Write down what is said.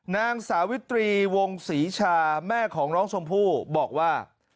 นางสาวิตรีวงศรีชาแม่ของน้องชมพู่บอกว่า